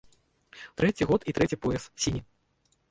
Трэці год і трэці пояс, сіні.